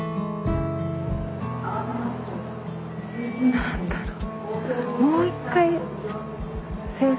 何だろう。